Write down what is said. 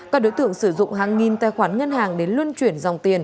các đối tượng sử dụng hàng nghìn tài khoản ngân hàng đến luân chuyển dòng tiền